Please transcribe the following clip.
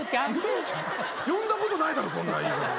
呼んだことないだろそんな。